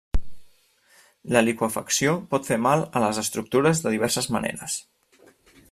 La liqüefacció pot fer mal a les estructures de diverses maneres.